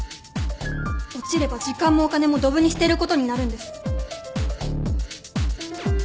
落ちれば時間もお金もどぶに捨てることになるんです。